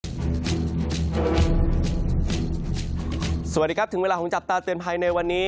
ใช่ค่ะสวัสดีครับถึงเวลาจับตาเตือนภัยในวันนี้